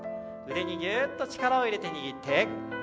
腕にぎゅーっと力を入れて握って。